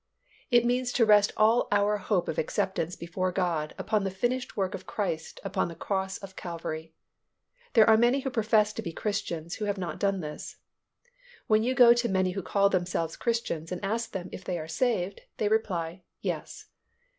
It means to rest all our hope of acceptance before God upon the finished work of Christ upon the cross of Calvary. There are many who profess to be Christians who have not done this. When you go to many who call themselves Christians and ask them if they are saved, they reply, "Yes."